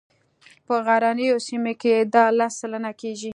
په غرنیو سیمو کې دا لس سلنه کیږي